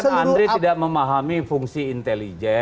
saya kira kan andri tidak memahami fungsi intelijen